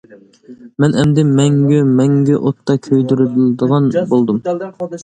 مەن ئەمدى مەڭگۈ، مەڭگۈ ئوتتا كۆيدۈرۈلىدىغان بولدۇم!...